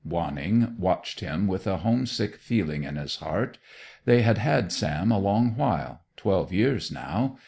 Wanning watched him with a homesick feeling in his heart. They had had Sam a long while, twelve years, now.